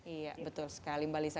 iya betul sekali mbak lisa